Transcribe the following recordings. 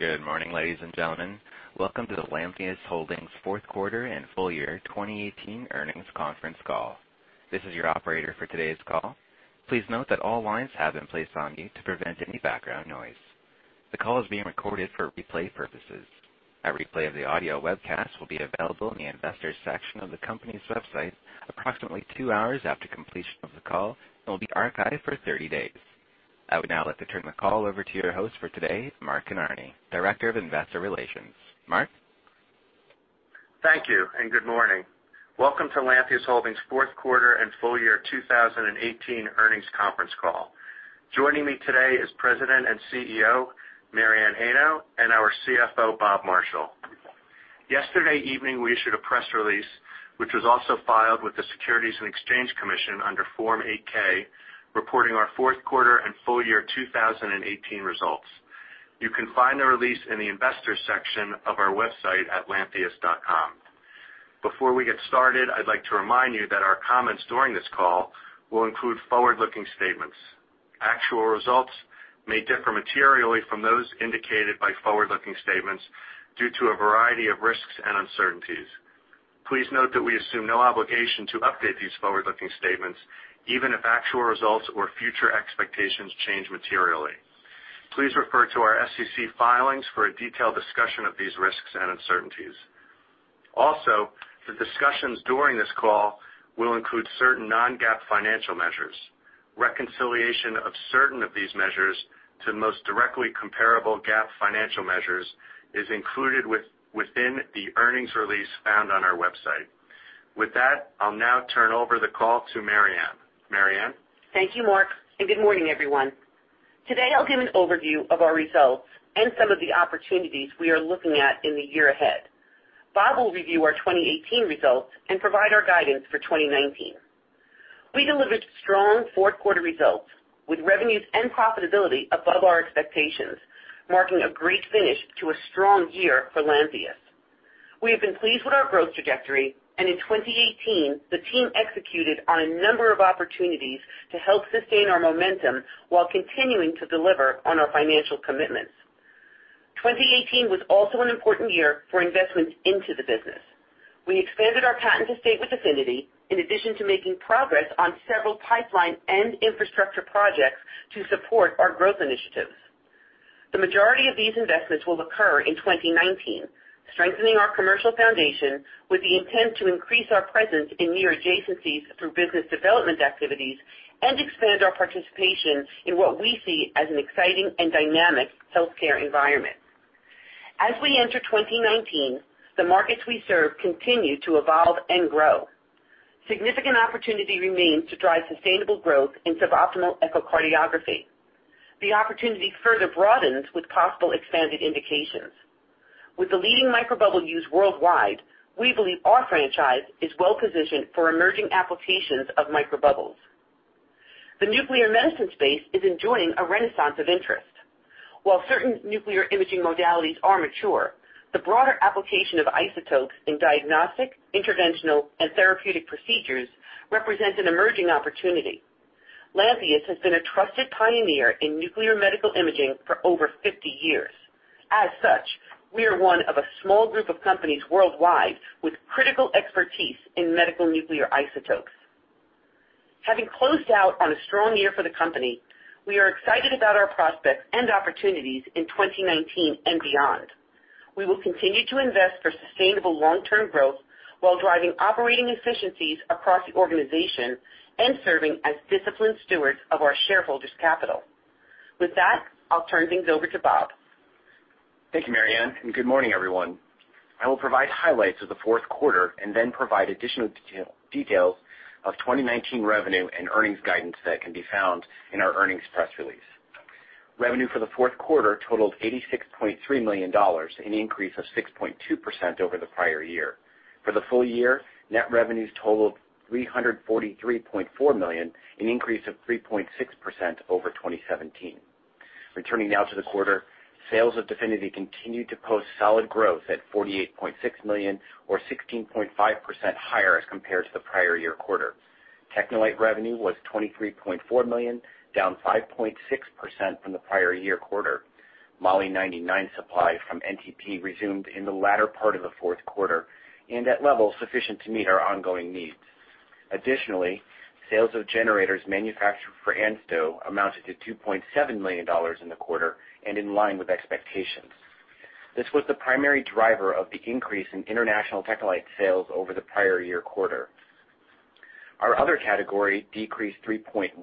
Good morning, ladies and gentlemen. Welcome to the Lantheus Holdings fourth quarter and full year 2018 earnings conference call. This is your operator for today's call. Please note that all lines have been placed on mute to prevent any background noise. The call is being recorded for replay purposes. A replay of the audio webcast will be available in the Investors section of the company's website approximately two hours after completion of the call and will be archived for 30 days. I would now like to turn the call over to your host for today, Mark Kinarney, Director of Investor Relations. Mark? Thank you. Good morning. Welcome to Lantheus Holdings' fourth quarter and full year 2018 earnings conference call. Joining me today is President and CEO, Mary Anne Heino, and our CFO, Bob Marshall. Yesterday evening, we issued a press release, which was also filed with the Securities and Exchange Commission under Form 8-K, reporting our fourth quarter and full year 2018 results. You can find the release in the Investors section of our website at lantheus.com. Before we get started, I'd like to remind you that our comments during this call will include forward-looking statements. Actual results may differ materially from those indicated by forward-looking statements due to a variety of risks and uncertainties. Please note that we assume no obligation to update these forward-looking statements, even if actual results or future expectations change materially. Please refer to our SEC filings for a detailed discussion of these risks and uncertainties. The discussions during this call will include certain non-GAAP financial measures. Reconciliation of certain of these measures to the most directly comparable GAAP financial measures is included within the earnings release found on our website. With that, I'll now turn over the call to Mary Anne. Mary Anne? Thank you, Mark. Good morning, everyone. Today, I'll give an overview of our results and some of the opportunities we are looking at in the year ahead. Bob will review our 2018 results and provide our guidance for 2019. We delivered strong fourth quarter results, with revenues and profitability above our expectations, marking a great finish to a strong year for Lantheus. We have been pleased with our growth trajectory, and in 2018, the team executed on a number of opportunities to help sustain our momentum while continuing to deliver on our financial commitments. 2018 was also an important year for investments into the business. We expanded our patent estate with DEFINITY, in addition to making progress on several pipeline and infrastructure projects to support our growth initiatives. The majority of these investments will occur in 2019, strengthening our commercial foundation with the intent to increase our presence in near adjacencies through business development activities and expand our participation in what we see as an exciting and dynamic healthcare environment. As we enter 2019, the markets we serve continue to evolve and grow. Significant opportunity remains to drive sustainable growth in suboptimal echocardiography. The opportunity further broadens with possible expanded indications. With the leading microbubble use worldwide, we believe our franchise is well-positioned for emerging applications of microbubbles. The nuclear medicine space is enjoying a renaissance of interest. While certain nuclear imaging modalities are mature, the broader application of isotopes in diagnostic, interventional, and therapeutic procedures represents an emerging opportunity. Lantheus has been a trusted pioneer in nuclear medical imaging for over 50 years. As such, we are one of a small group of companies worldwide with critical expertise in medical nuclear isotopes. Having closed out on a strong year for the company, we are excited about our prospects and opportunities in 2019 and beyond. We will continue to invest for sustainable long-term growth while driving operating efficiencies across the organization and serving as disciplined stewards of our shareholders' capital. With that, I'll turn things over to Bob. Thank you, Mary Anne, and good morning, everyone. I will provide highlights of the fourth quarter and then provide additional details of 2019 revenue and earnings guidance that can be found in our earnings press release. Revenue for the fourth quarter totaled $86.3 million, an increase of 6.2% over the prior year. For the full year, net revenues totaled $343.4 million, an increase of 3.6% over 2017. Returning now to the quarter, sales of DEFINITY continued to post solid growth at $48.6 million, or 16.5% higher as compared to the prior year quarter. TechneLite revenue was $23.4 million, down 5.6% from the prior year quarter. Moly-99 supply from NTP resumed in the latter part of the fourth quarter and at levels sufficient to meet our ongoing needs. Additionally, sales of generators manufactured for ANSTO amounted to $2.7 million in the quarter and in line with expectations. This was the primary driver of the increase in international TechneLite sales over the prior year quarter. Our other category decreased 3.1%,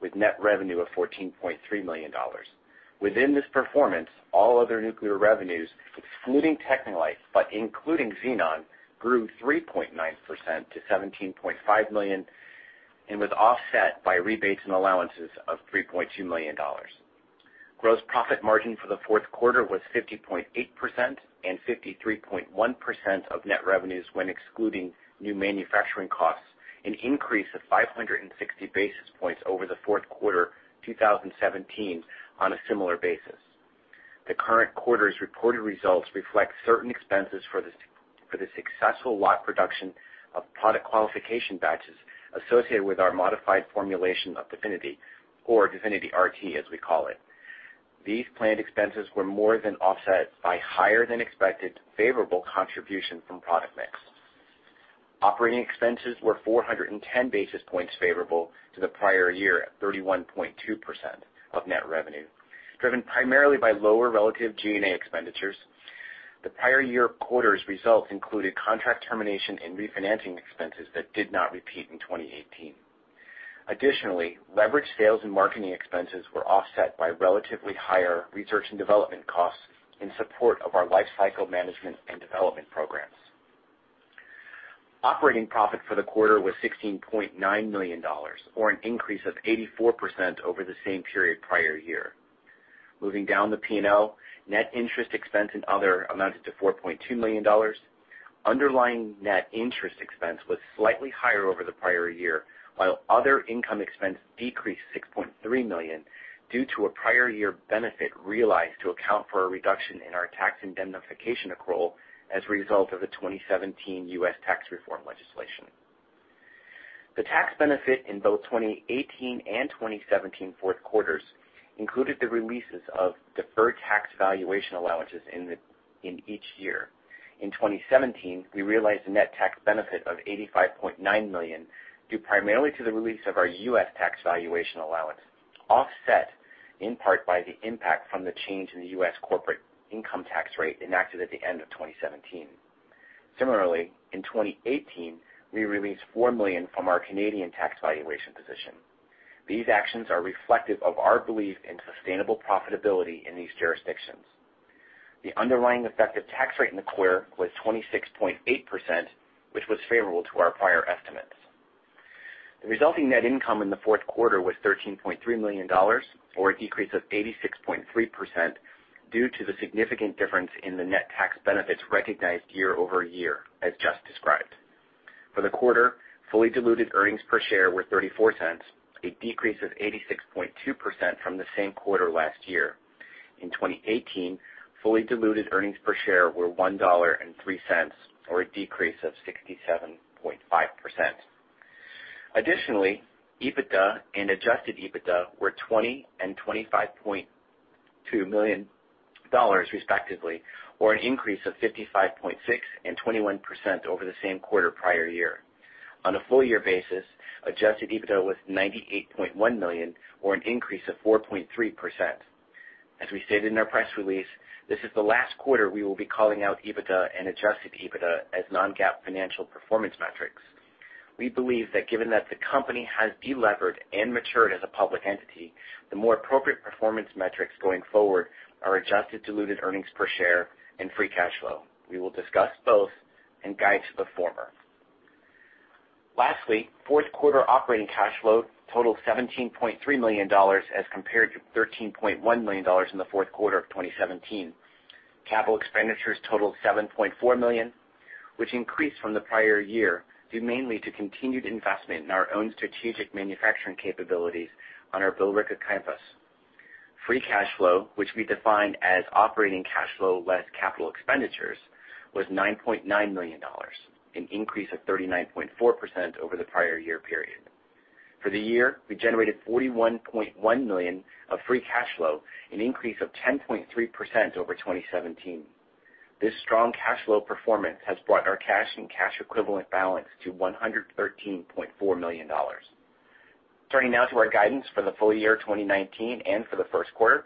with net revenue of $14.3 million. Within this performance, all other nuclear revenues, excluding TechneLite but including Xenon, grew 3.9% to $17.5 million and was offset by rebates and allowances of $3.2 million. Gross profit margin for the fourth quarter was 50.8% and 53.1% of net revenues when excluding new manufacturing costs, an increase of 560 basis points over the fourth quarter 2017 on a similar basis. The current quarter's reported results reflect certain expenses for the- For the successful lot production of product qualification batches associated with our modified formulation of DEFINITY, or DEFINITY RT, as we call it. These planned expenses were more than offset by higher than expected favorable contribution from product mix. Operating expenses were 410 basis points favorable to the prior year at 31.2% of net revenue, driven primarily by lower relative G&A expenditures. The prior year quarter's results included contract termination and refinancing expenses that did not repeat in 2018. Additionally, leverage sales and marketing expenses were offset by relatively higher research and development costs in support of our lifecycle management and development programs. Operating profit for the quarter was $16.9 million, or an increase of 84% over the same period prior year. Moving down the P&L, net interest expense and other amounted to $4.2 million. Underlying net interest expense was slightly higher over the prior year, while other income expense decreased $6.3 million due to a prior year benefit realized to account for a reduction in our tax indemnification accrual as a result of the 2017 U.S. tax reform legislation. The tax benefit in both 2018 and 2017 fourth quarters included the releases of deferred tax valuation allowances in each year. In 2017, we realized a net tax benefit of $85.9 million due primarily to the release of our U.S. tax valuation allowance, offset in part by the impact from the change in the U.S. corporate income tax rate enacted at the end of 2017. Similarly, in 2018, we released $4 million from our Canadian tax valuation position. These actions are reflective of our belief in sustainable profitability in these jurisdictions. The underlying effective tax rate in the quarter was 26.8%, which was favorable to our prior estimates. The resulting net income in the fourth quarter was $13.3 million, or a decrease of 86.3%, due to the significant difference in the net tax benefits recognized year-over-year, as just described. For the quarter, fully diluted earnings per share were $0.34, a decrease of 86.2% from the same quarter last year. In 2018, fully diluted earnings per share were $1.03, or a decrease of 67.5%. Additionally, EBITDA and adjusted EBITDA were $20 million and $25.2 million respectively, or an increase of 55.6% and 21% over the same quarter prior year. On a full year basis, adjusted EBITDA was $98.1 million, or an increase of 4.3%. As we stated in our press release, this is the last quarter we will be calling out EBITDA and adjusted EBITDA as non-GAAP financial performance metrics. We believe that given that the company has delevered and matured as a public entity, the more appropriate performance metrics going forward are adjusted diluted earnings per share and free cash flow. We will discuss both and guide to the former. Lastly, fourth quarter operating cash flow totaled $17.3 million as compared to $13.1 million in the fourth quarter of 2017. Capital expenditures totaled $7.4 million, which increased from the prior year due mainly to continued investment in our own strategic manufacturing capabilities on our Billerica campus. Free cash flow, which we define as operating cash flow less capital expenditures, was $9.9 million, an increase of 39.4% over the prior year period. For the year, we generated $41.1 million of free cash flow, an increase of 10.3% over 2017. This strong cash flow performance has brought our cash and cash equivalent balance to $113.4 million. Turning now to our guidance for the full year 2019 and for the first quarter.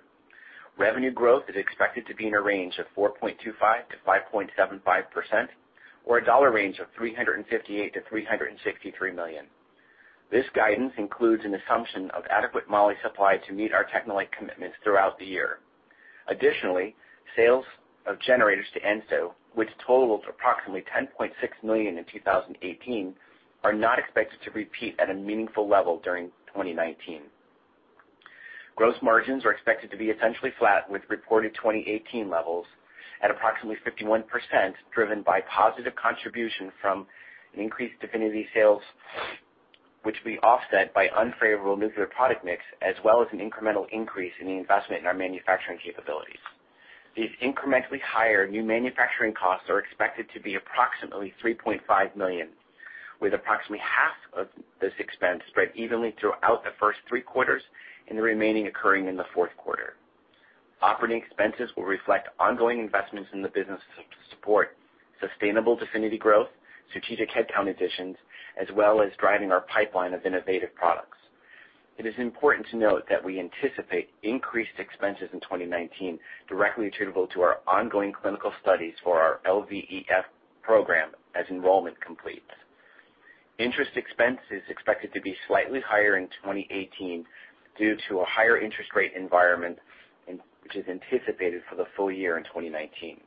Revenue growth is expected to be in a range of 4.25%-5.75%, or a dollar range of $358 million-$363 million. This guidance includes an assumption of adequate moly supply to meet our TechneLite commitments throughout the year. Additionally, sales of generators to ANSTO, which totaled approximately $10.6 million in 2018, are not expected to repeat at a meaningful level during 2019. Gross margins are expected to be essentially flat with reported 2018 levels at approximately 51%, driven by positive contribution from an increased DEFINITY sales, which will be offset by unfavorable nuclear product mix, as well as an incremental increase in the investment in our manufacturing capabilities. These incrementally higher new manufacturing costs are expected to be approximately $3.5 million, with approximately half of this expense spread evenly throughout the first three quarters and the remaining occurring in the fourth quarter. Operating expenses will reflect ongoing investments in the business to support sustainable DEFINITY growth, strategic headcount additions, as well as driving our pipeline of innovative products. It is important to note that we anticipate increased expenses in 2019 directly attributable to our ongoing clinical studies for our LVEF program as enrollment completes. Interest expense is expected to be slightly higher in 2018 due to a higher interest rate environment, which is anticipated for the full year in 2019.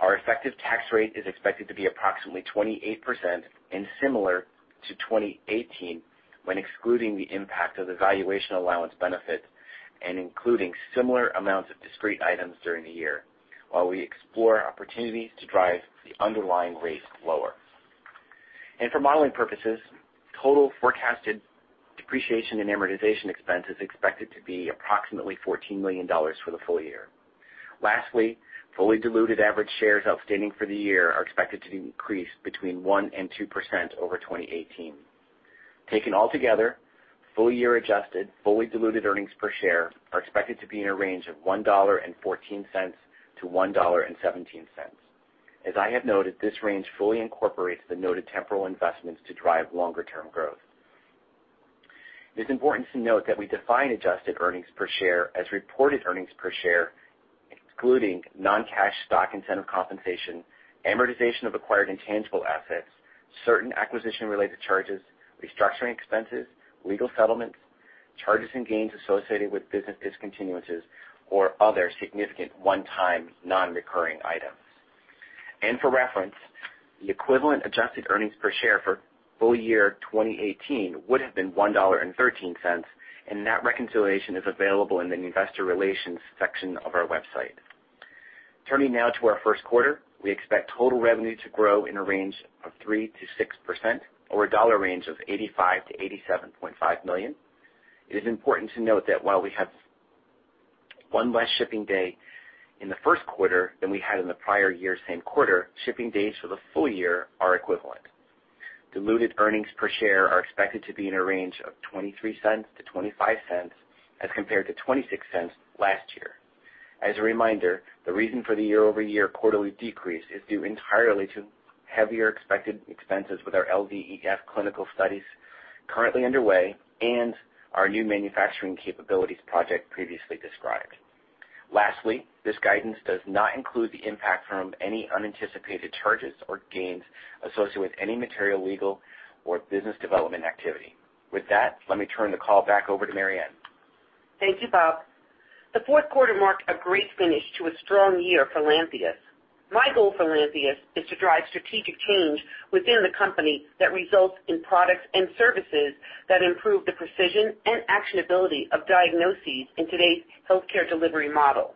Our effective tax rate is expected to be approximately 28% and similar to 2018 when excluding the impact of the valuation allowance benefit and including similar amounts of discrete items during the year, while we explore opportunities to drive the underlying rates lower. For modeling purposes, total forecasted depreciation and amortization expense is expected to be approximately $14 million for the full year. Lastly, fully diluted average shares outstanding for the year are expected to increase between 1% and 2% over 2018. Taken altogether, full year adjusted, fully diluted earnings per share are expected to be in a range of $1.14-$1.17. As I have noted, this range fully incorporates the noted temporal investments to drive longer-term growth. It is important to note that we define adjusted earnings per share as reported earnings per share, including non-cash stock incentive compensation, amortization of acquired intangible assets, certain acquisition-related charges, restructuring expenses, legal settlements, charges and gains associated with business discontinuances or other significant one-time non-recurring items. For reference, the equivalent adjusted earnings per share for full year 2018 would have been $1.13, and that reconciliation is available in the investor relations section of our website. Turning now to our first quarter. We expect total revenue to grow in a range of 3%-6%, or a dollar range of $85 million-$87.5 million. It is important to note that while we have one less shipping day in the first quarter than we had in the prior year's same quarter, shipping days for the full year are equivalent. Diluted earnings per share are expected to be in a range of $0.23-$0.25 as compared to $0.26 last year. As a reminder, the reason for the year-over-year quarterly decrease is due entirely to heavier expected expenses with our LVEF clinical studies currently underway and our new manufacturing capabilities project previously described. Lastly, this guidance does not include the impact from any unanticipated charges or gains associated with any material legal or business development activity. With that, let me turn the call back over to Mary Anne. Thank you, Bob. The fourth quarter marked a great finish to a strong year for Lantheus. My goal for Lantheus is to drive strategic change within the company that results in products and services that improve the precision and actionability of diagnoses in today's healthcare delivery model.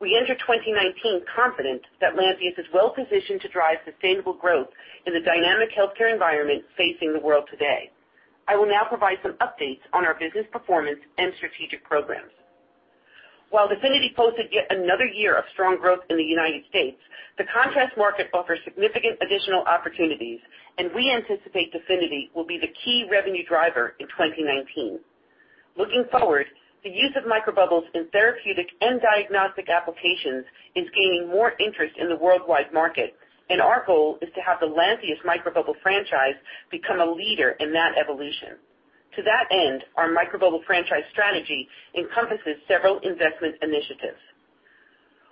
We enter 2019 confident that Lantheus is well-positioned to drive sustainable growth in the dynamic healthcare environment facing the world today. I will now provide some updates on our business performance and strategic programs. While DEFINITY posted yet another year of strong growth in the U.S., the contrast market offers significant additional opportunities. We anticipate DEFINITY will be the key revenue driver in 2019. Looking forward, the use of microbubbles in therapeutic and diagnostic applications is gaining more interest in the worldwide market, and our goal is to have the Lantheus microbubble franchise become a leader in that evolution. To that end, our microbubble franchise strategy encompasses several investment initiatives.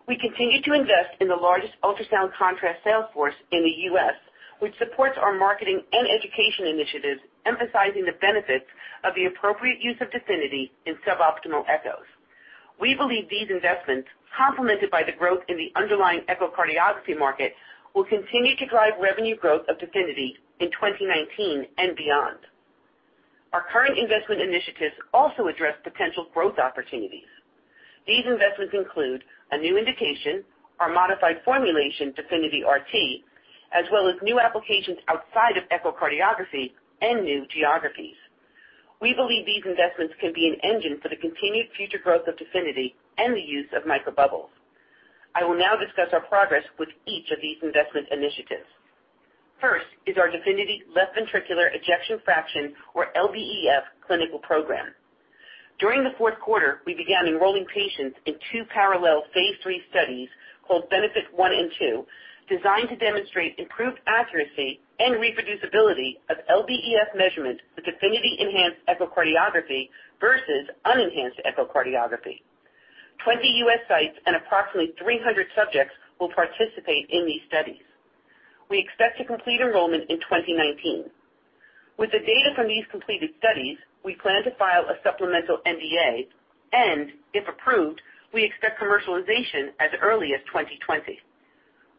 We continue to invest in the largest ultrasound contrast sales force in the U.S., which supports our marketing and education initiatives, emphasizing the benefits of the appropriate use of DEFINITY in suboptimal echoes. We believe these investments, complemented by the growth in the underlying echocardiography market, will continue to drive revenue growth of DEFINITY in 2019 and beyond. Our current investment initiatives also address potential growth opportunities. These investments include a new indication, our modified formulation, DEFINITY RT, as well as new applications outside of echocardiography and new geographies. We believe these investments can be an engine for the continued future growth of DEFINITY and the use of microbubbles. I will now discuss our progress with each of these investment initiatives. First is our DEFINITY left ventricular ejection fraction, or LVEF, clinical program. During the fourth quarter, we began enrolling patients in two parallel phase III studies called BENEFIT 1 and BENEFIT 2, designed to demonstrate improved accuracy and reproducibility of LVEF measurement with DEFINITY-enhanced echocardiography versus unenhanced echocardiography. 20 U.S. sites and approximately 300 subjects will participate in these studies. We expect to complete enrollment in 2019. With the data from these completed studies, we plan to file a supplemental NDA. If approved, we expect commercialization as early as 2020.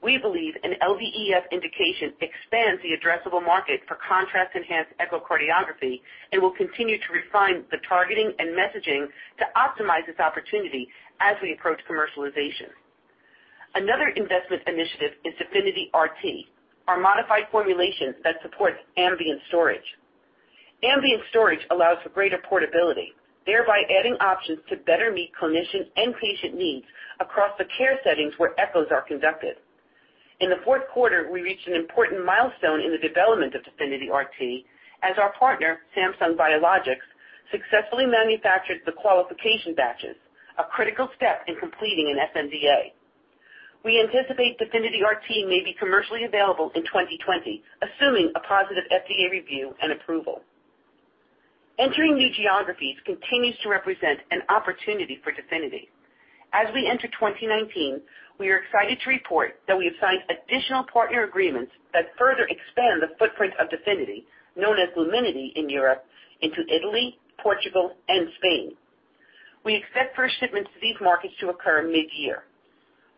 We believe an LVEF indication expands the addressable market for contrast-enhanced echocardiography and will continue to refine the targeting and messaging to optimize this opportunity as we approach commercialization. Another investment initiative is DEFINITY RT, our modified formulation that supports ambient storage. Ambient storage allows for greater portability, thereby adding options to better meet clinician and patient needs across the care settings where echoes are conducted. In the fourth quarter, we reached an important milestone in the development of DEFINITY RT as our partner, Samsung Biologics, successfully manufactured the qualification batches, a critical step in completing an sNDA. We anticipate DEFINITY RT may be commercially available in 2020, assuming a positive FDA review and approval. Entering new geographies continues to represent an opportunity for DEFINITY. As we enter 2019, we are excited to report that we have signed additional partner agreements that further expand the footprint of DEFINITY, known as Luminity in Europe, into Italy, Portugal, and Spain. We expect first shipments to these markets to occur mid-year.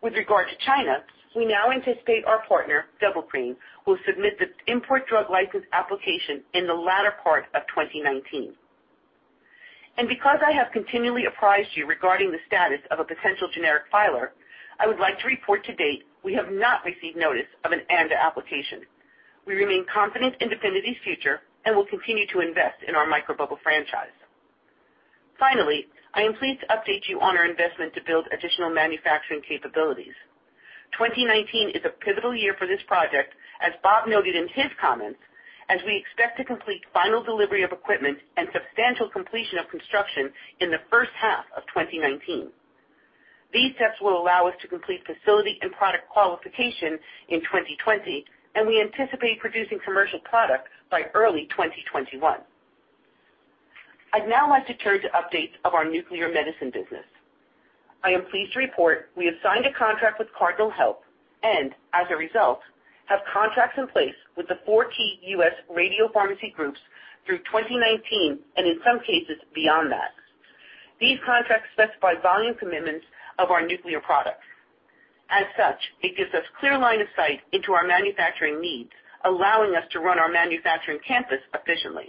With regard to China, we now anticipate our partner, Double-Crane, will submit the import drug license application in the latter part of 2019. Because I have continually apprised you regarding the status of a potential generic filer, I would like to report to date, we have not received notice of an ANDA application. We remain confident in DEFINITY's future and will continue to invest in our microbubble franchise. Finally, I am pleased to update you on our investment to build additional manufacturing capabilities. 2019 is a pivotal year for this project, as Bob noted in his comments, as we expect to complete final delivery of equipment and substantial completion of construction in the first half of 2019. These steps will allow us to complete facility and product qualification in 2020, and we anticipate producing commercial product by early 2021. I'd now like to turn to updates of our nuclear medicine business. I am pleased to report we have signed a contract with Cardinal Health and, as a result, have contracts in place with the 14 U.S. radiopharmacy groups through 2019 and in some cases, beyond that. These contracts specify volume commitments of our nuclear products. As such, it gives us clear line of sight into our manufacturing needs, allowing us to run our manufacturing campus efficiently.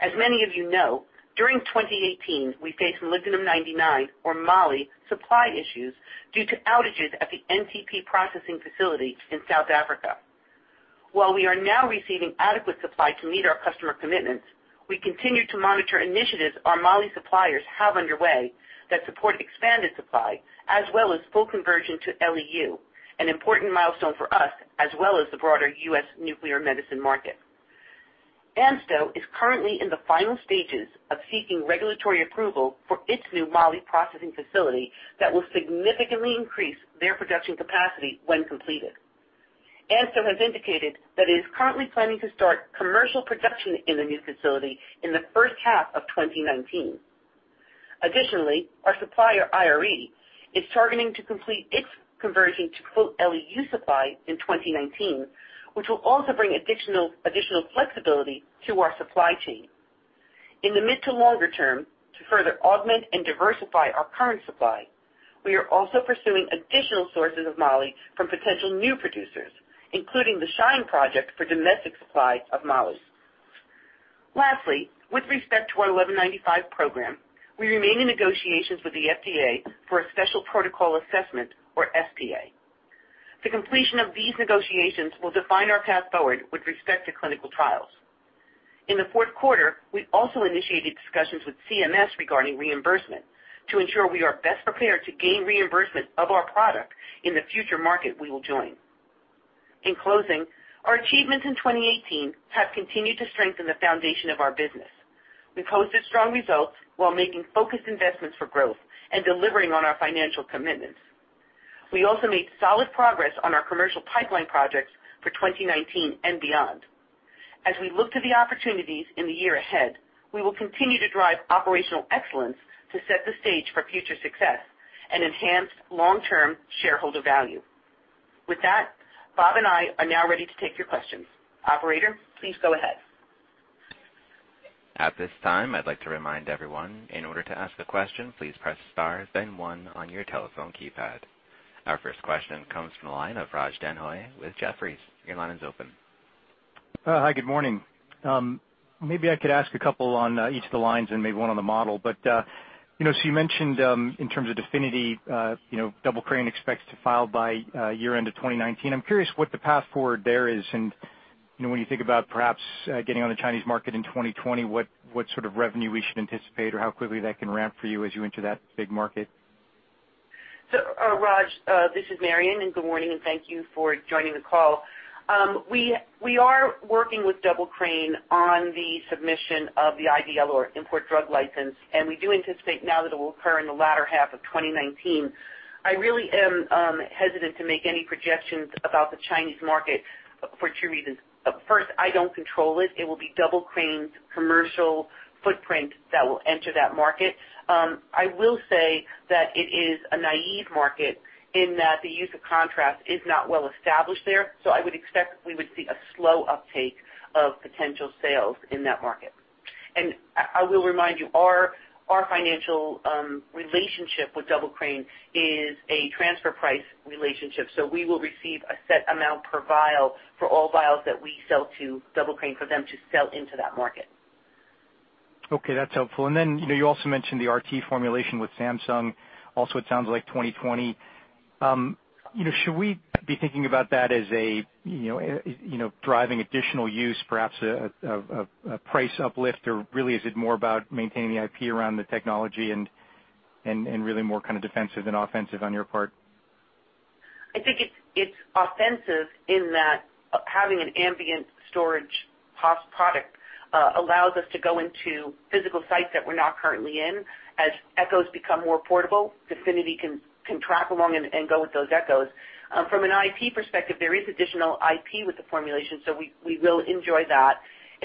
As many of you know, during 2018, we faced molybdenum-99, or Mo-99, supply issues due to outages at the NTP processing facility in South Africa. While we are now receiving adequate supply to meet our customer commitments, we continue to monitor initiatives our Mo-99 suppliers have underway that support expanded supply as well as full conversion to LEU, an important milestone for us as well as the broader U.S. nuclear medicine market. ANSTO is currently in the final stages of seeking regulatory approval for its new Mo-99 processing facility that will significantly increase their production capacity when completed. ANSTO has indicated that it is currently planning to start commercial production in the new facility in the first half of 2019. Additionally, our supplier, IRE, is targeting to complete its conversion to quote "LEU supply" in 2019, which will also bring additional flexibility to our supply chain. In the mid to longer term, to further augment and diversify our current supply, we are also pursuing additional sources of Mo-99 from potential new producers, including the SHINE Project for domestic supply of Mo-99. Lastly, with respect to our 1195 program, we remain in negotiations with the FDA for a special protocol assessment or SPA. The completion of these negotiations will define our path forward with respect to clinical trials. In the fourth quarter, we also initiated discussions with CMS regarding reimbursement to ensure we are best prepared to gain reimbursement of our product in the future market we will join. In closing, our achievements in 2018 have continued to strengthen the foundation of our business. We've posted strong results while making focused investments for growth and delivering on our financial commitments. We also made solid progress on our commercial pipeline projects for 2019 and beyond. As we look to the opportunities in the year ahead, we will continue to drive operational excellence to set the stage for future success and enhance long-term shareholder value. With that, Bob and I are now ready to take your questions. Operator, please go ahead. At this time, I'd like to remind everyone, in order to ask a question, please press star then one on your telephone keypad. Our first question comes from the line of Raj Denhoy with Jefferies. Your line is open. Hi, good morning. Maybe I could ask a couple on each of the lines and maybe one on the model. You mentioned, in terms of DEFINITY, Double-Crane expects to file by year-end of 2019. I'm curious what the path forward there is, and when you think about perhaps getting on the Chinese market in 2020, what sort of revenue we should anticipate or how quickly that can ramp for you as you enter that big market? Raj, this is Mary Anne, and good morning, and thank you for joining the call. We are working with Double-Crane on the submission of the IDL or import drug license, and we do anticipate now that it will occur in the latter half of 2019. I really am hesitant to make any projections about the Chinese market for two reasons. First, I don't control it. It will be Double-Crane's commercial footprint that will enter that market. I will say that it is a naive market in that the use of contrast is not well established there. I would expect that we would see a slow uptake of potential sales in that market. I will remind you, our financial relationship with Double-Crane is a transfer price relationship, so we will receive a set amount per vial for all vials that we sell to Double-Crane for them to sell into that market. Okay, that's helpful. You also mentioned the RT formulation with Samsung, also it sounds like 2020. Should we be thinking about that as driving additional use, perhaps a price uplift, or really is it more about maintaining the IP around the technology and really more kind of defensive than offensive on your part? I think it's offensive in that having an ambient storage product allows us to go into physical sites that we're not currently in. As echos become more portable, DEFINITY can track along and go with those echos. From an IP perspective, there is additional IP with the formulation, so we will enjoy that.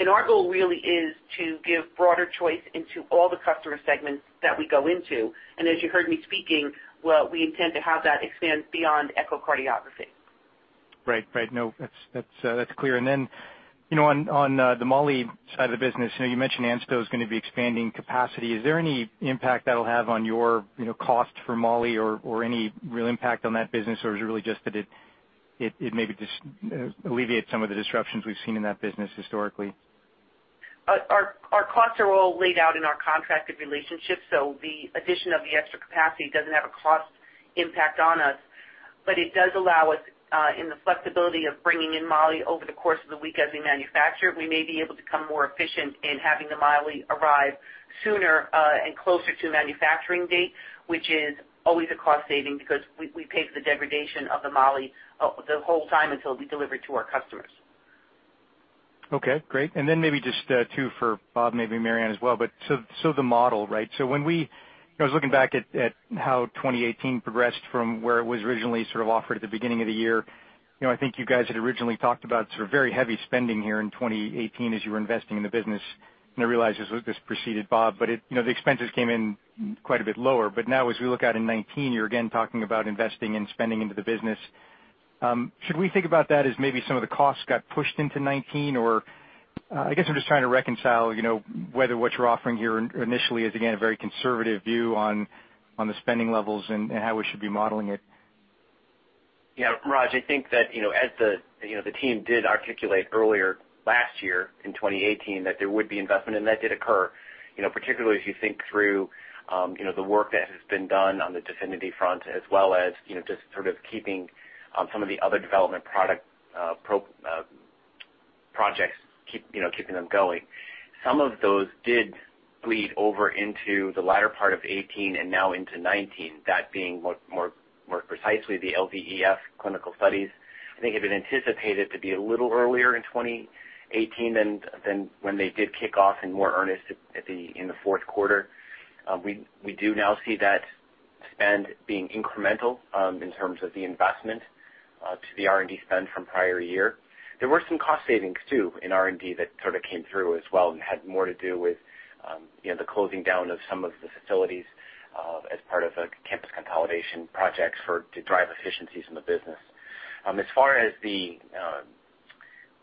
Our goal really is to give broader choice into all the customer segments that we go into. As you heard me speaking, we intend to have that expand beyond echocardiography. Right. No, that's clear. On the Mo-99 side of the business, you mentioned ANSTO's going to be expanding capacity. Is there any impact that'll have on your cost for Mo-99 or any real impact on that business? Or is it really just that it maybe alleviate some of the disruptions we've seen in that business historically. Our costs are all laid out in our contracted relationship, the addition of the extra capacity doesn't have a cost impact on us. It does allow us in the flexibility of bringing in moly over the course of the week as we manufacture. We may be able to become more efficient in having the moly arrive sooner and closer to manufacturing date, which is always a cost saving because we pay for the degradation of the moly the whole time until we deliver it to our customers. Okay, great. Then maybe just two for Bob, maybe Mary Anne as well. So the model, right? I was looking back at how 2018 progressed from where it was originally sort of offered at the beginning of the year. I think you guys had originally talked about sort of very heavy spending here in 2018 as you were investing in the business. I realize this preceded Bob, the expenses came in quite a bit lower. Now as we look out in 2019, you're again talking about investing and spending into the business. Should we think about that as maybe some of the costs got pushed into 2019? I guess I'm just trying to reconcile whether what you're offering here initially is again, a very conservative view on the spending levels and how we should be modeling it. Yeah, Raj, I think that as the team did articulate earlier last year in 2018 that there would be investment, that did occur. Particularly as you think through the work that has been done on the DEFINITY front as well as just sort of keeping some of the other development projects, keeping them going. Some of those did bleed over into the latter part of 2018 and now into 2019. That being more precisely the LVEF clinical studies. I think it had been anticipated to be a little earlier in 2018 than when they did kick off in more earnest in the fourth quarter. We do now see that spend being incremental in terms of the investment to the R&D spend from prior year. There were some cost savings, too, in R&D that sort of came through as well and had more to do with the closing down of some of the facilities as part of a campus consolidation project to drive efficiencies in the business. As far as the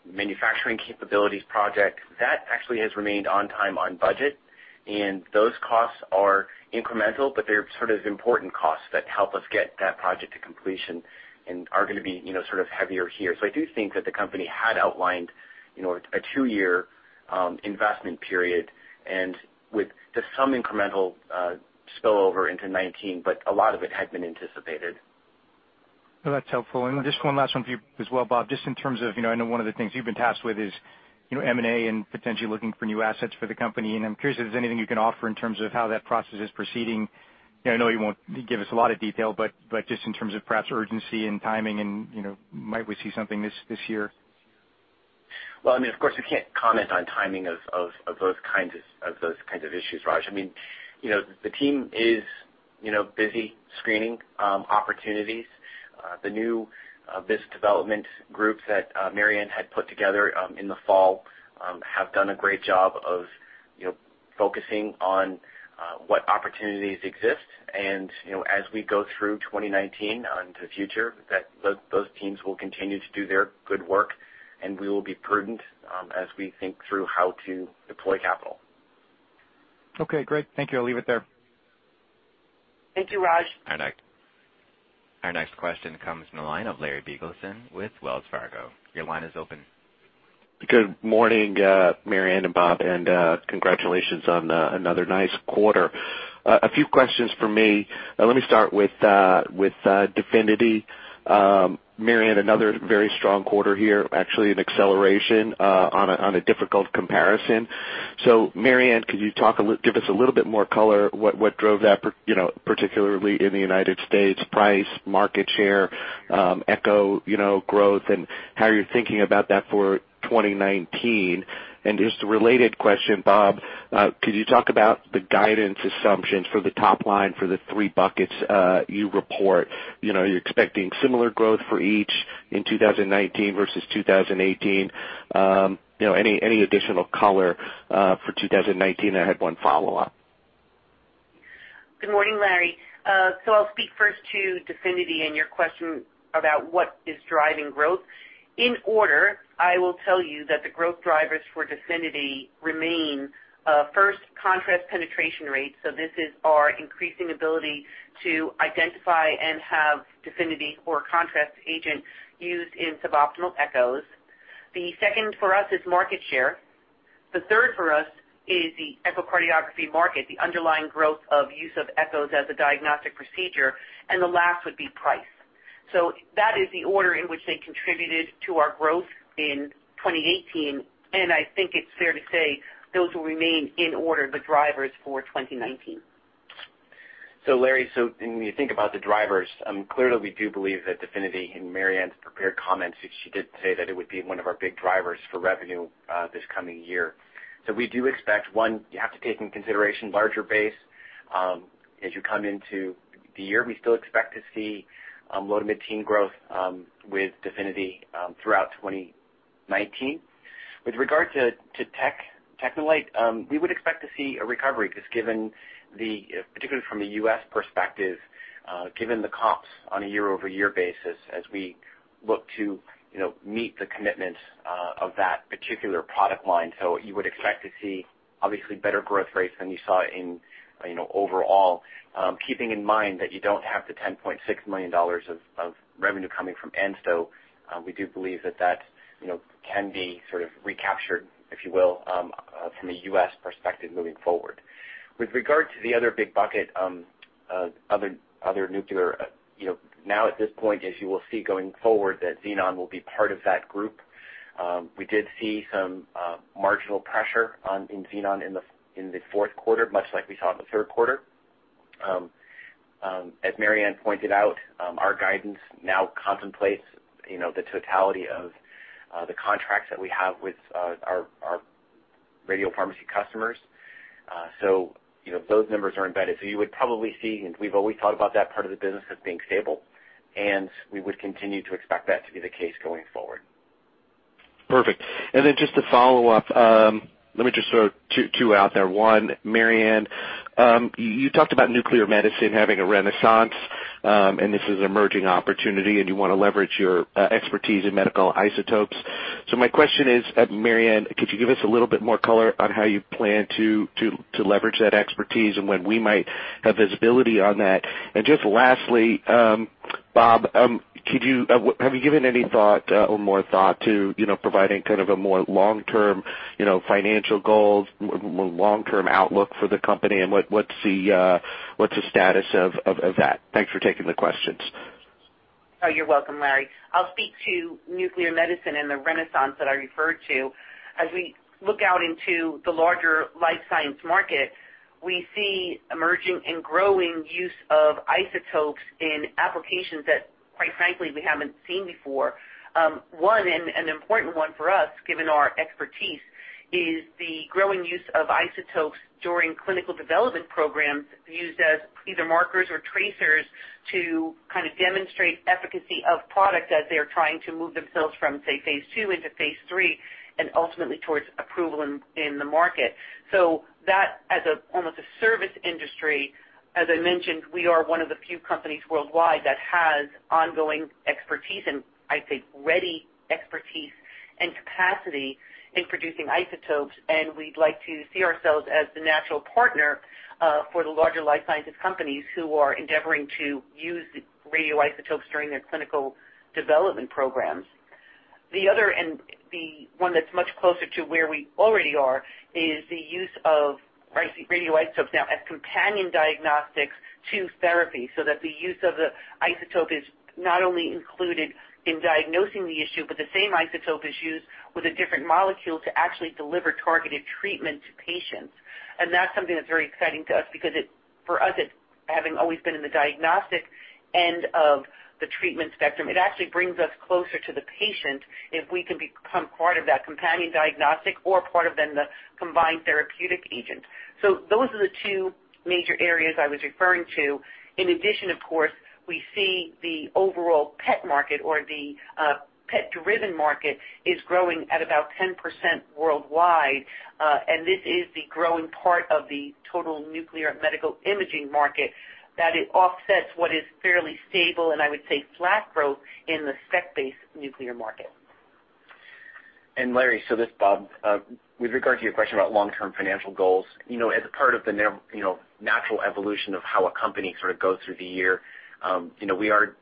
manufacturing capabilities project, that actually has remained on time, on budget. Those costs are incremental, they're sort of important costs that help us get that project to completion and are going to be sort of heavier here. I do think that the company had outlined a two-year investment period with just some incremental spillover into 2019, a lot of it had been anticipated. That's helpful. Just one last one for you as well, Bob. I know one of the things you've been tasked with is M&A and potentially looking for new assets for the company, and I'm curious if there's anything you can offer in terms of how that process is proceeding. I know you won't give us a lot of detail, but just in terms of perhaps urgency and timing and might we see something this year? Of course, we can't comment on timing of those kinds of issues, Raj. The team is busy screening opportunities. The new business development groups that Mary Anne had put together in the fall have done a great job of focusing on what opportunities exist. As we go through 2019 into the future, those teams will continue to do their good work, and we will be prudent as we think through how to deploy capital. Great. Thank you. I'll leave it there. Thank you, Raj. Our next question comes from the line of Larry Biegelsen with Wells Fargo. Your line is open. Good morning, Mary Anne and Bob, and congratulations on another nice quarter. A few questions from me. Let me start with DEFINITY. Mary Anne, could you give us a little bit more color what drove that, particularly in the U.S., price, market share, echo growth, and how you're thinking about that for 2019. Just a related question, Bob, could you talk about the guidance assumptions for the top line for the three buckets you report? Are you expecting similar growth for each in 2019 versus 2018? Any additional color for 2019? I had one follow-up. Good morning, Larry. I'll speak first to DEFINITY and your question about what is driving growth. In order, I will tell you that the growth drivers for DEFINITY remain, first, contrast penetration rates. This is our increasing ability to identify and have DEFINITY or contrast agent used in suboptimal echoes. The second for us is market share. The third for us is the echocardiography market, the underlying growth of use of echoes as a diagnostic procedure. The last would be price. That is the order in which they contributed to our growth in 2018, and I think it's fair to say those will remain in order the drivers for 2019. Larry, when you think about the drivers, clearly we do believe that DEFINITY, in Mary Anne's prepared comments, she did say that it would be one of our big drivers for revenue this coming year. We do expect, one, you have to take into consideration larger base as you come into the year. We still expect to see low- to mid-teen growth with DEFINITY throughout 2019. With regard to TechneLite, we would expect to see a recovery, particularly from the U.S. perspective given the comps on a year-over-year basis as we look to meet the commitments of that particular product line. You would expect to see obviously better growth rates than you saw in overall. Keeping in mind that you don't have the $10.6 million of revenue coming from ANSTO. We do believe that that can be sort of recaptured, if you will, from a U.S. perspective moving forward. With regard to the other big bucket, other nuclear. At this point, as you will see going forward, that xenon will be part of that group. We did see some marginal pressure in xenon in the fourth quarter, much like we saw in the third quarter. As Mary Anne pointed out, our guidance now contemplates the totality of the contracts that we have with our radiopharmacy customers. Those numbers are embedded. You would probably see, and we've always thought about that part of the business as being stable, and we would continue to expect that to be the case going forward. Perfect. Then just to follow up, let me just throw two out there. One, Mary Anne, you talked about nuclear medicine having a renaissance, and this is an emerging opportunity, and you want to leverage your expertise in medical isotopes. My question is, Mary Anne, could you give us a little bit more color on how you plan to leverage that expertise, and when we might have visibility on that? Just lastly, Bob, have you given any more thought to providing kind of a more long-term financial goal, more long-term outlook for the company, and what's the status of that? Thanks for taking the questions. Oh, you're welcome, Larry. I'll speak to nuclear medicine and the renaissance that I referred to. As we look out into the larger life science market, we see emerging and growing use of isotopes in applications that, quite frankly, we haven't seen before. One, and an important one for us, given our expertise, is the growing use of isotopes during clinical development programs used as either markers or tracers to kind of demonstrate efficacy of product as they're trying to move themselves from, say, phase II into phase III, and ultimately towards approval in the market. That as almost a service industry, as I mentioned, we are one of the few companies worldwide that has ongoing expertise and, I'd say, ready expertise and capacity in producing isotopes. We'd like to see ourselves as the natural partner for the larger life sciences companies who are endeavoring to use radioisotopes during their clinical development programs. The other, the one that's much closer to where we already are, is the use of radioisotopes now as companion diagnostics to therapy, that the use of the isotope is not only included in diagnosing the issue, but the same isotope is used with a different molecule to actually deliver targeted treatment to patients. That's something that's very exciting to us because for us, having always been in the diagnostic end of the treatment spectrum, it actually brings us closer to the patient if we can become part of that companion diagnostic or part of then the combined therapeutic agent. Those are the two major areas I was referring to. Of course, we see the overall PET market or the PET-driven market is growing at about 10% worldwide. This is the growing part of the total nuclear medical imaging market, that it offsets what is fairly stable, and I would say flat growth in the SPECT-based nuclear market. Larry, this is Bob. With regard to your question about long-term financial goals, as a part of the natural evolution of how a company sort of goes through the year, we are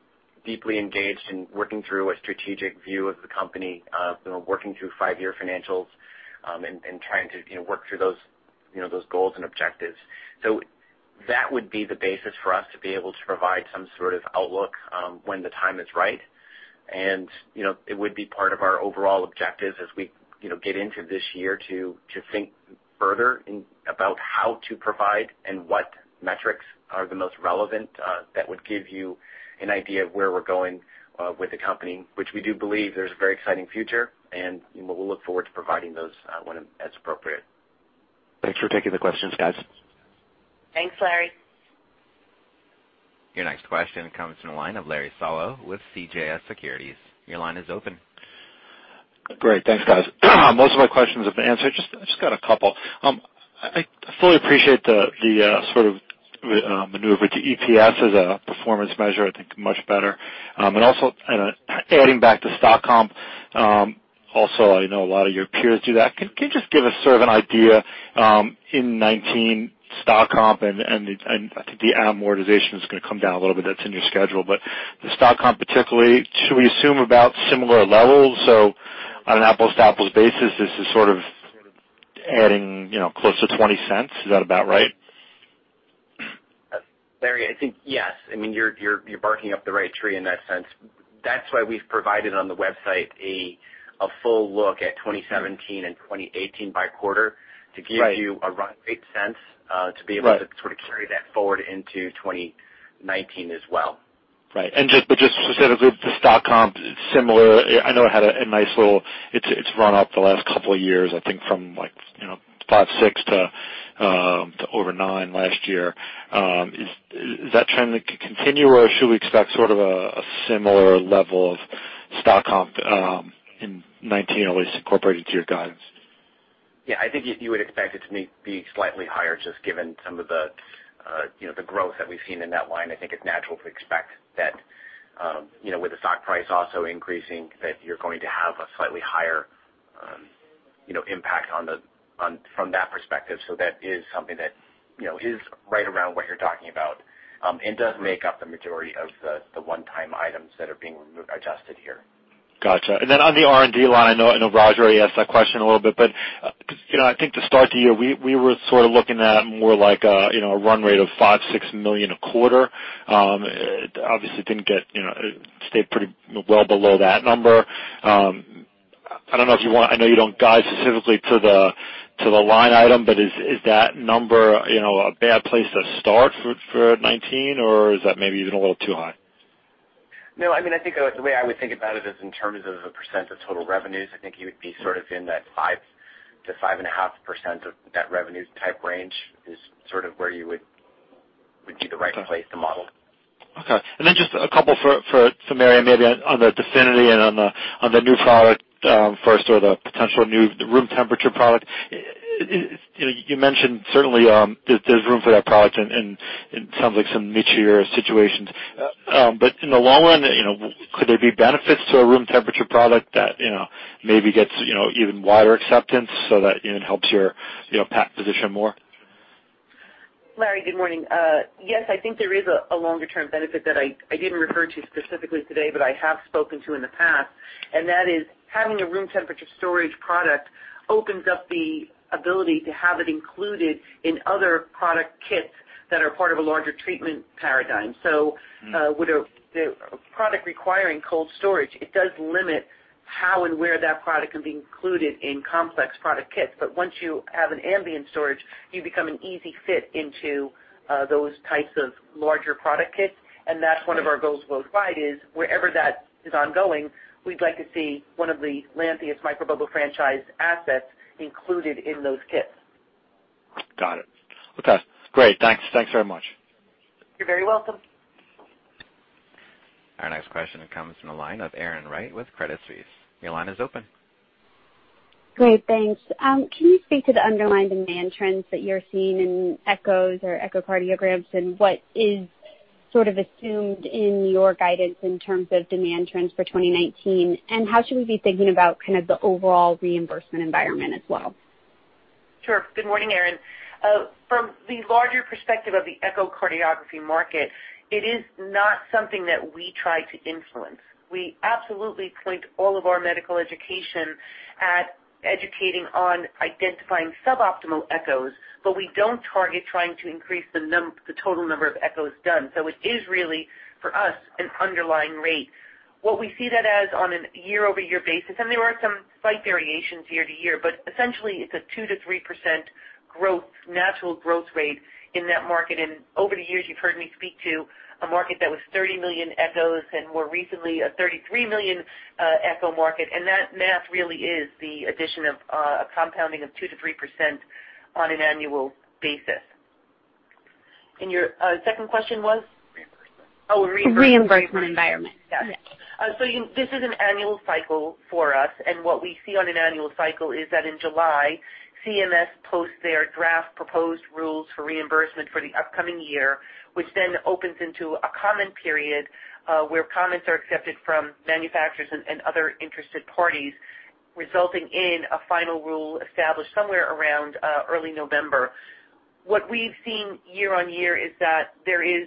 deeply engaged in working through a strategic view of the company, working through five-year financials, and trying to work through those goals and objectives. That would be the basis for us to be able to provide some sort of outlook when the time is right. It would be part of our overall objective as we get into this year to think further about how to provide and what metrics are the most relevant that would give you an idea of where we're going with the company, which we do believe there's a very exciting future, and we'll look forward to providing those when that's appropriate. Thanks for taking the questions, guys. Thanks, Larry. Your next question comes from the line of Larry Solow with CJS Securities. Your line is open. Great. Thanks, guys. Most of my questions have been answered. Just got a couple. I fully appreciate the sort of maneuver to EPS as a performance measure. I think much better. Also adding back to stock comp. Also, I know a lot of your peers do that. Can you just give us sort of an idea in 2019 stock comp, I think the amortization is going to come down a little bit. That's in your schedule. The stock comp particularly, should we assume about similar levels? On an apples-to-apples basis, this is sort of adding close to $0.20. Is that about right? Larry, I think yes. I mean, you're barking up the right tree in that sense. That's why we've provided on the website a full look at 2017 and 2018 by quarter to give you a run rate sense to be able to sort of carry that forward into 2019 as well. Right. Just specifically, the stock comp, similar. I know it had a nice little run up the last couple of years, I think from like five, six to over nine last year. Is that trend going to continue, or should we expect sort of a similar level of stock comp in 2019, at least incorporated to your guidance? Yeah, I think you would expect it to be slightly higher, just given some of the growth that we've seen in that line. I think it's natural to expect that, with the stock price also increasing, that you're going to have a slightly higher impact from that perspective. That is something that is right around what you're talking about. Does make up the majority of the one-time items that are being adjusted here. Got you. On the R&D line, I know Raj already asked that question a little bit, I think to start the year, we were sort of looking at more like a run rate of five, six million a quarter. Obviously, it stayed pretty well below that number. I know you don't guide specifically to the line item, is that number a bad place to start for 2019? Is that maybe even a little too high? I think the way I would think about it is in terms of the % of total revenues. I think you would be sort of in that 5%-5.5% of net revenues type range is sort of where you would be the right place to model. Okay. Just a couple for Mary Anne, maybe on the DEFINITY and on the new product for sort of the potential new room temperature product. You mentioned certainly there's room for that product and it sounds like some niche-ier situations. In the long run, could there be benefits to a room temperature product that maybe gets even wider acceptance so that it helps your path position more? Larry, good morning. Yes, I think there is a longer-term benefit that I didn't refer to specifically today, but I have spoken to in the past, and that is having a room temperature storage product opens up the ability to have it included in other product kits that are part of a larger treatment paradigm. With a product requiring cold storage, it does limit how and where that product can be included in complex product kits. Once you have an ambient storage, you become an easy fit into those types of larger product kits. That's one of our goals worldwide is wherever that is ongoing, we'd like to see one of the Lantheus microbubble franchise assets included in those kits. Got it. Okay, great. Thanks very much. You're very welcome. Our next question comes from the line of Erin Wright with Credit Suisse. Your line is open. Great, thanks. Can you speak to the underlying demand trends that you're seeing in echoes or echocardiograms, and what is sort of assumed in your guidance in terms of demand trends for 2019? How should we be thinking about kind of the overall reimbursement environment as well? Sure. Good morning, Erin. From the larger perspective of the echocardiography market, it is not something that we try to influence. We absolutely point all of our medical education at educating on identifying suboptimal echoes, but we don't target trying to increase the total number of echoes done. It is really, for us, an underlying rate. What we see that as on a year-over-year basis, and there are some slight variations year to year, but essentially it's a 2%-3% natural growth rate in that market. Over the years, you've heard me speak to a market that was 30 million echoes and more recently a 33 million echo market. That math really is the addition of a compounding of 2%-3% on an annual basis. Your second question was? Reimbursement environment. Yes. This is an annual cycle for us, and what we see on an annual cycle is that in July, CMS posts their draft proposed rules for reimbursement for the upcoming year, which then opens into a comment period, where comments are accepted from manufacturers and other interested parties, resulting in a final rule established somewhere around early November. What we've seen year-on-year is that there is,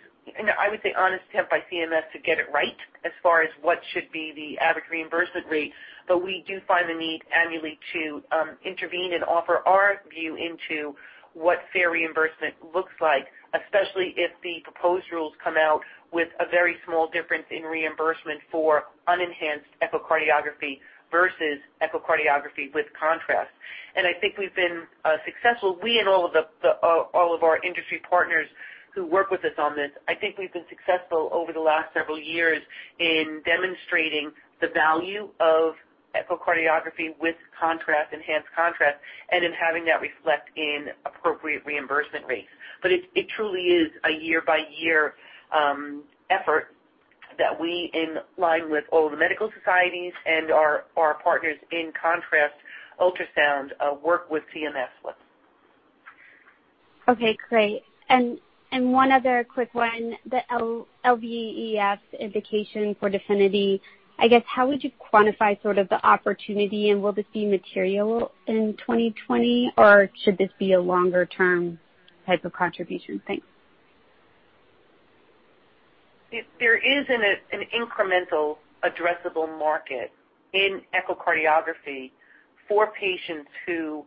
I would say, honest attempt by CMS to get it right as far as what should be the average reimbursement rate. We do find the need annually to intervene and offer our view into what fair reimbursement looks like, especially if the proposed rules come out with a very small difference in reimbursement for unenhanced echocardiography versus echocardiography with contrast. I think we've been successful. We and all of our industry partners who work with us on this, I think we've been successful over the last several years in demonstrating the value of echocardiography with contrast, enhanced contrast, and in having that reflect in appropriate reimbursement rates. It truly is a year by year effort that we, in line with all of the medical societies and our partners in contrast ultrasound, work with CMS with. Okay, great. One other quick one. The LVEF indication for DEFINITY, I guess how would you quantify sort of the opportunity and will this be material in 2020, or should this be a longer-term type of contribution? Thanks. There is an incremental addressable market in echocardiography for patients who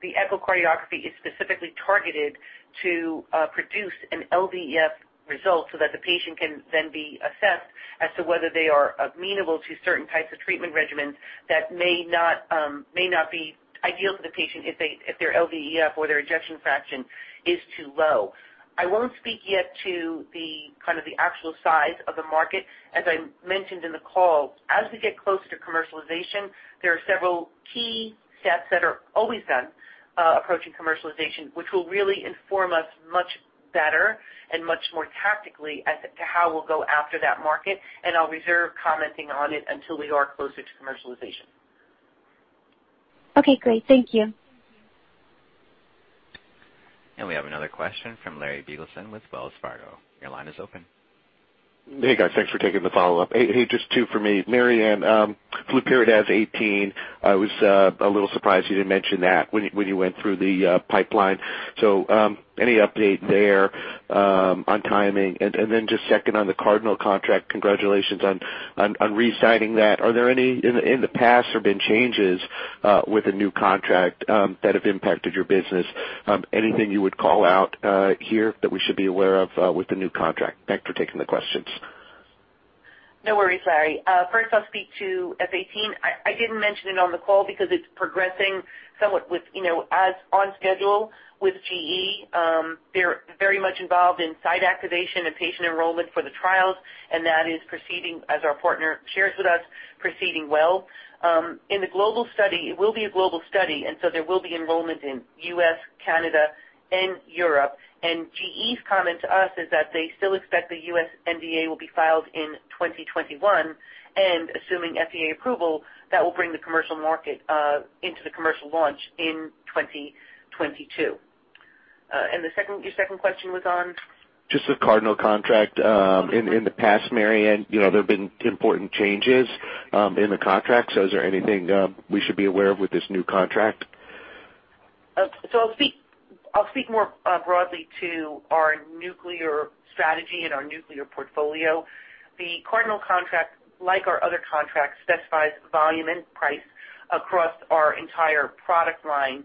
the echocardiography is specifically targeted to produce an LVEF result so that the patient can then be assessed as to whether they are amenable to certain types of treatment regimens that may not be ideal for the patient if their LVEF or their ejection fraction is too low. I won't speak yet to the kind of the actual size of the market. As I mentioned in the call, as we get closer to commercialization, there are several key steps that are always done approaching commercialization, which will really inform us much better and much more tactically as to how we'll go after that market, I'll reserve commenting on it until we are closer to commercialization. Okay, great. Thank you. We have another question from Larry Biegelsen with Wells Fargo. Your line is open. Hey guys, thanks for taking the follow-up. Hey, just two for me. Mary Anne, flurpiridaz F-18, I was a little surprised you didn't mention that when you went through the pipeline. Any update there on timing? Just second on the Cardinal contract. Congratulations on re-signing that. Are there any in the past or been changes with a new contract that have impacted your business? Anything you would call out here that we should be aware of with the new contract? Thanks for taking the questions. No worries, Larry. First, I'll speak to F-18. I didn't mention it on the call because it's progressing somewhat on schedule with GE. They're very much involved in site activation and patient enrollment for the trials, and that is proceeding, as our partner shares with us, proceeding well. In the global study, it will be a global study, there will be enrollment in U.S., Canada and Europe. GE's comment to us is that they still expect the U.S. NDA will be filed in 2021, and assuming FDA approval, that will bring the commercial market into the commercial launch in 2022. Your second question was on? Just the Cardinal contract. In the past, Mary Anne, there have been important changes in the contract. Is there anything we should be aware of with this new contract? I'll speak more broadly to our nuclear strategy and our nuclear portfolio. The Cardinal contract, like our other contracts, specifies volume and price across our entire product line.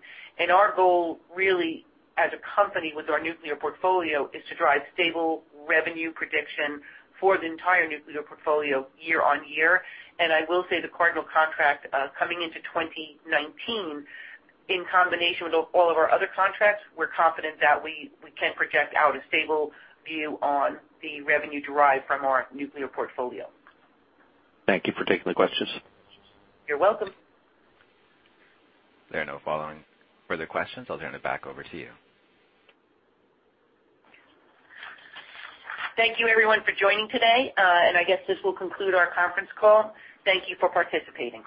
Our goal really as a company with our nuclear portfolio is to drive stable revenue prediction for the entire nuclear portfolio year-on-year. I will say the Cardinal contract, coming into 2019, in combination with all of our other contracts, we're confident that we can project out a stable view on the revenue derived from our nuclear portfolio. Thank you for taking the questions. You're welcome. There are no following further questions. I'll turn it back over to you. Thank you everyone for joining today, and I guess this will conclude our conference call. Thank you for participating.